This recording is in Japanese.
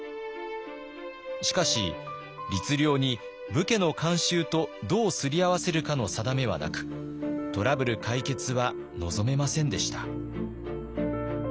しかし律令に武家の慣習とどうすり合わせるかの定めはなくトラブル解決は望めませんでした。